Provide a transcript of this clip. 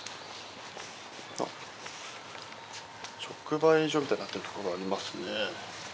直売所みたいになっているところがありますね。